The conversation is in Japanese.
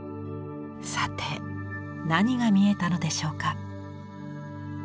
さて何が見えたのでしょうか。